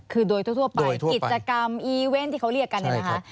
คือโดยทั่วไปกิจกรรมอีเวนต์ที่เขาเรียกกันเนี่ยนะคะ